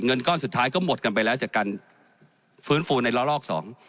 เงินก้อนสุดท้ายก็หมดกันไปแล้วจากการฟื้นฟูในรอรอก๒